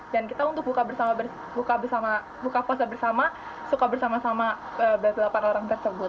dan kita untuk buka puasa bersama suka bersama sama delapan orang tersebut